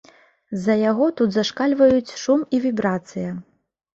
З-за яго тут зашкальваюць шум і вібрацыя.